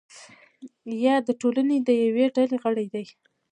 یا د ټولنې د یوې ډلې غړی دی.